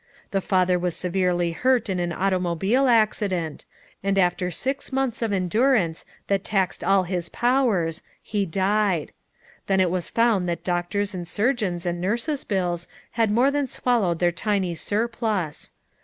The father was severely hurt in an automobile accident, and after six months of endurance that taxed all his powers, he died. Then it was found that doctors' and surgeons' and nurse's bills had more than swallowed their tiny sur plus.